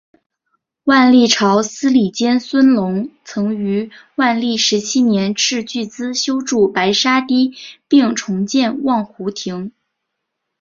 万历朝司礼监孙隆曾于万历十七年斥巨资修筑白沙堤并重建望湖亭。